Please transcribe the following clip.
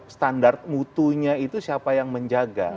standar mutunya itu siapa yang menjaga